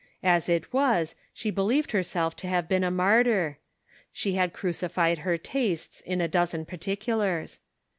As it was, she believed herself to have been a martyr — she had crucified her tastes in a dozen particu lars.